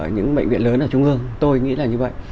những bệnh viện lớn ở trung ương tôi nghĩ là như vậy